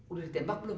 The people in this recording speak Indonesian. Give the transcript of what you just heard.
udah ditembak belum